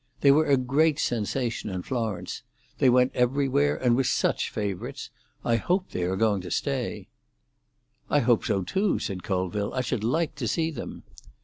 They were a great sensation in Florence. They went everywhere, and were such favourites. I hope they are going to stay." "I hope so too," said Colville. "I should like to see them."